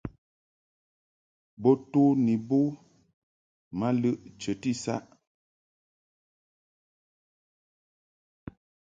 Bo to ni bo ma lɨʼ chəti saʼ.